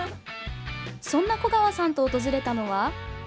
そんな粉川さんと訪れたのは。